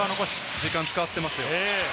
時間使わせてますよ。